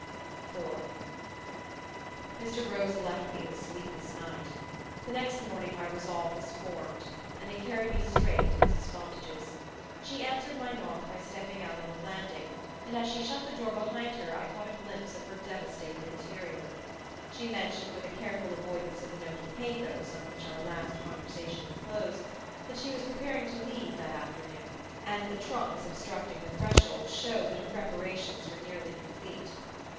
IV Mr. Rose left me to a sleepless night. The next morning my resolve was formed, and it carried me straight to Mrs. Fontage's. She answered my knock by stepping out on the landing, and as she shut the door behind her I caught a glimpse of her devastated interior. She mentioned, with a careful avoidance of the note of pathos on which our last conversation had closed, that she was preparing to leave that afternoon; and the trunks obstructing the threshold showed that her preparations were nearly complete.